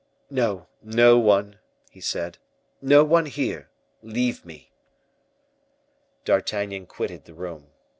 "No, no one," he said; "no one here! Leave me." D'Artagnan quitted the room.